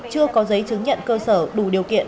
chưa có giấy chứng nhận cơ sở đủ điều kiện